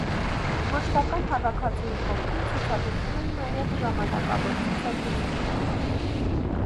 Մշտական հավաքածուի կողքին ցուցադրվում են նաև ժամանակավոր ցուցադրություններ։